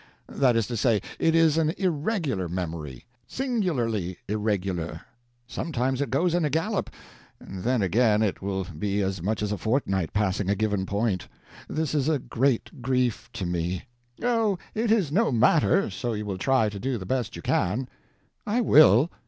That is to say, it is an irregular memory singularly irregular. Sometimes it goes in a gallop, and then again it will be as much as a fortnight passing a given point. This is a great grief to me." "Oh, it is no matter, so you will try to do the best you can." "I will.